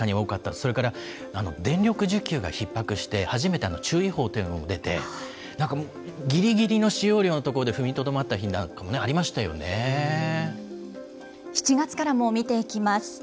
それから電力需給がひっ迫して、初めて注意報というのも出て、なんかぎりぎりの使用量のところで踏みとどまった日なんかもあり７月からも見ていきます。